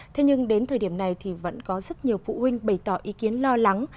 thế nhưng đến thời điểm này thì vẫn có rất nhiều phụ huynh bày tỏ ý kiến lo lắng